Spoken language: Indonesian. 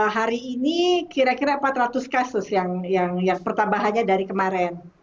hari ini kira kira empat ratus kasus yang pertambahannya dari kemarin